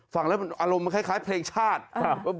ฟังแล้วมันอารมณ์คล้ายคล้ายเพลงชาติครับ